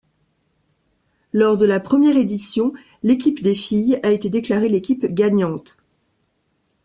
Lors de la première édition, l'équipe des filles a été déclarée l'équipe gagnante.